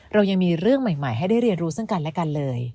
เรายังมีเรื่องใหม่ให้ได้เรียนรู้ซึ่งกันและกันเลย